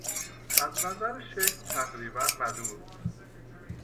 از نظر شکل تقریبا مدور